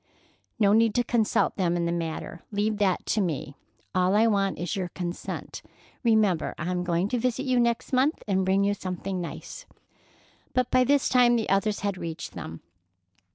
"No need to consult them in the matter. Leave that to me. All I want is your consent. Remember I am going to visit you next month and bring you something nice." But by this time the others had reached them.